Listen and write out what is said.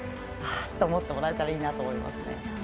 ああと思ってもらえたらいいと思いますね。